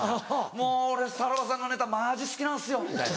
「もう俺さらばさんのネタマジ好きなんすよ」みたいな。